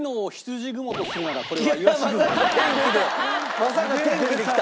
まさか天気できた！